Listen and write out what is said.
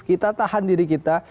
kita tahan diri kita